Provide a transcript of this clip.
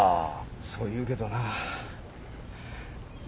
そう言うけどな。